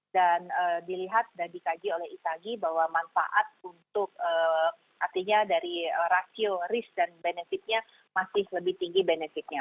dan dilihat dan dikaji oleh itagi bahwa manfaat untuk artinya dari rasio risk dan benefitnya masih lebih tinggi benefitnya